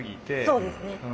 そうですね。